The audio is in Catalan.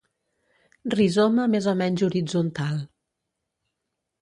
Rizoma més o menys horitzontal.